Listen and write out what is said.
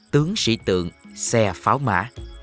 tướng sĩ tượng xe pháo mã